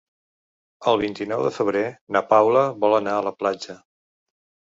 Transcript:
El vint-i-nou de febrer na Paula vol anar a la platja.